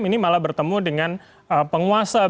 ini malah bertemu dengan penguasa